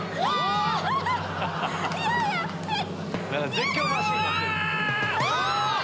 絶叫マシンになってる。